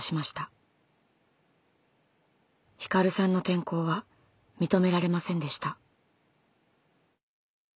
ひかるさんの転校は認められませんでした。